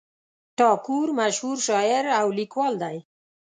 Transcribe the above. ټاګور مشهور شاعر او لیکوال دی.